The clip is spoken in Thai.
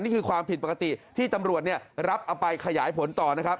นี่คือความผิดปกติที่ตำรวจรับเอาไปขยายผลต่อนะครับ